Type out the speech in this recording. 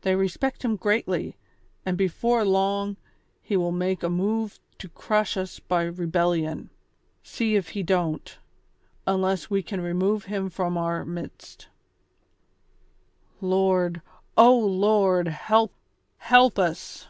They respect him greatly, and before long he will make a move to crush us by rebel lion, see if he don't, unless we can remove him from our midst "—" Lord ! O Lord ! help, help us